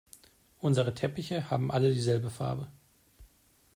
Unsere Teppiche haben alle dieselbe Farbe.